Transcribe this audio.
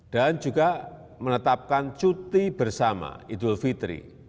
dan juga menetapkan cuti bersama idul fitri